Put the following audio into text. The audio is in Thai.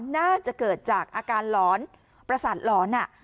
น่าจะเกิดจากอาการประสัตว์ร้อน